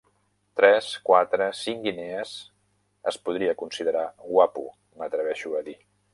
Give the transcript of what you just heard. Tres, quatre, cinc guinees, es podria considerar guapo, m'atreveixo a dir.